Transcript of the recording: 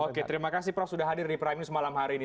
oke terima kasih prof sudah hadir di prime news malam hari ini